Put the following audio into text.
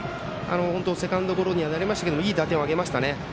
セカンドゴロにはなりましたがいい打点を挙げましたね。